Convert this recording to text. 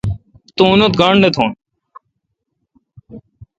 تو اونتھ گاݨڈ تھون۔